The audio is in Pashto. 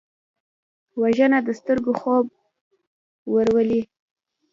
وژنه د سترګو خوب ورولي